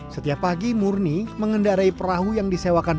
setiap pagi murni mengendarai perahu yang disewakan